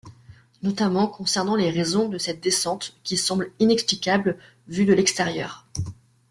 Notamment concernant les raisons de cette descente qui semble inexplicable vue de l'extérieur.